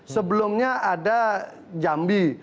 sebelumnya ada jambi